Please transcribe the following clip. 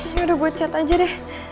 ini udah buat chat aja deh